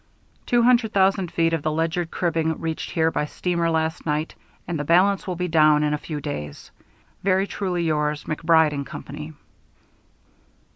Two hundred thousand feet of the Ledyard cribbing reached here by steamer last night, and the balance will be down in a few days. Very truly yours, MacBride & Company.